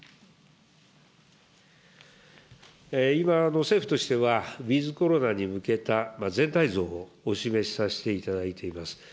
今、政府としては、ウィズコロナに向けた全体像をお示しさせていただいています。